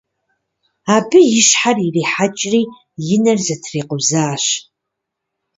Абы и щхьэр ирихьэкӀри и нэр зэтрикъузащ.